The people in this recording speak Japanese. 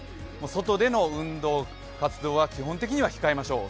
外での運動活動は基本的には控えましょう。